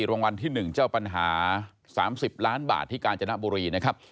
รางวัลที่๑เจ้าปัญหา๓๐ล้านบาทที่กาญจนบุรีนะครับ